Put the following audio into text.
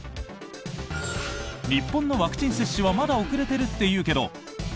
日本のワクチン接種はまだ遅れてるっていうけど。